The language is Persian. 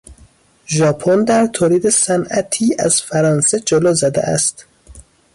ژاپن در تولید صنعتی از فرانسه جلو زده است.